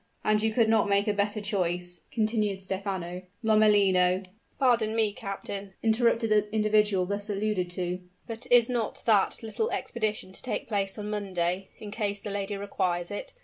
"And you could not make a better choice," continued Stephano. "Lomellino " "Pardon me, captain," interrupted the individual thus alluded to: "but is not that little expedition to take place on Monday, in case the lady requires it?